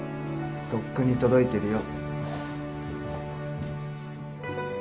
とっくに届いてるよ。